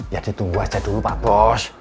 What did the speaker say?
ya ditunggu saja dulu pak bos